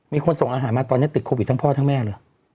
มีคนส่งอาหารมาตอนนี้ติดโควิดทั้งพ่อทั้งแม่เลย